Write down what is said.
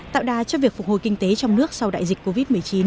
tạo đà cho việc phục hồi kinh tế trong nước sau đại dịch covid một mươi chín